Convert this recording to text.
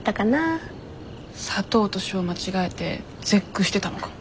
砂糖と塩間違えて絶句してたのかも。